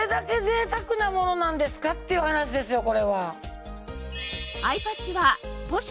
なものなんですかっていう話ですよこれは。